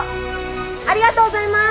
ありがとうございます！」